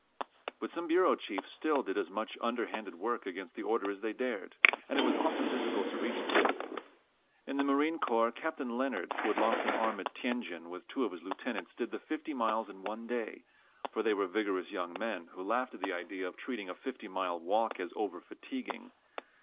But some bureau chiefs still did as much underhanded work against the order as they dared, and it was often difficult to reach them. In the Marine Corps Captain Leonard, who had lost an arm at Tientsin, with two of his lieutenants did the fifty miles in one day; for they were vigorous young men, who laughed at the idea of treating a fifty mile walk as over fatiguing.